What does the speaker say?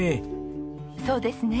そうですね。